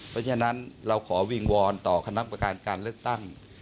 เพราะฉะนั้นเราขอวิงวอนต่อคณะประการการเลือกตั้ง